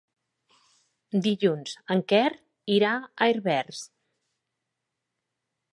Dilluns en Quer irà a Herbers.